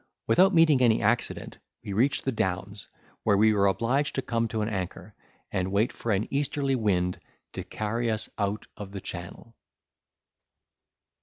Without meeting with any accident, we reached the Downs, where we were obliged to come to an anchor, and wait for an easterly wind to carry us out of the Channel.